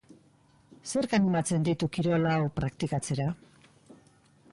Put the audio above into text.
Zerk animatzen ditu kirol hau praktikatzera?